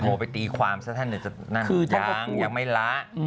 โทรไปตีความซะท่านอยากไม่ละ